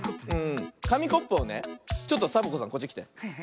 かみコップをねちょっとサボ子さんこっちきて。